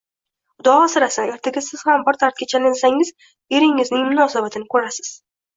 Xudo asrasin, ertaga siz ham bir dardga chalinsangiz, eringizning munosabatini ko`rasiz